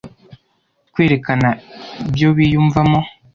kwerekana ibyo biyumvamo,